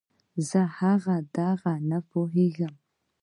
زه هغه دغه نه پوهېږم.